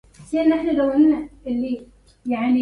كاد الخريف يموت مثل مماتي